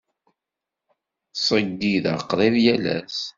Ttṣeyyideɣ qrib yal ass.